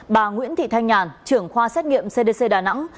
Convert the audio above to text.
bà nguyễn thị thanh nhàn trưởng khoa xét nghiệm cdc đà nẵng